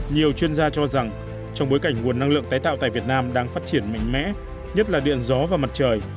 nhiều chuyên gia cho rằng trong bối cảnh nguồn năng lượng tái tạo tại việt nam đang phát triển mạnh mẽ nhất là điện gió và mặt trời